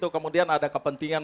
kemudian ada kepentingan